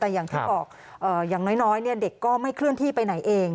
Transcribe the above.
แต่อย่างที่บอกอย่างน้อยเด็กก็ไม่เคลื่อนที่ไปไหนเอง